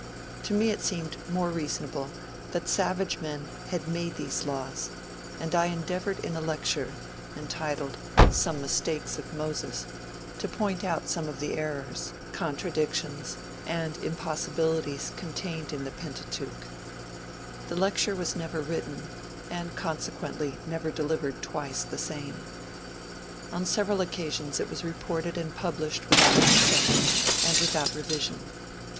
To me it seemed more reasonable that savage men had made these laws; and I endeavored in a lecture, entitled "Some Mistakes of Moses," to point out some of the errors, contradictions, and impossibilities contained in the Pentateuch. The lecture was never written and consequently never delivered twice the same. On several occasions it was reported and published without consent, and without revision.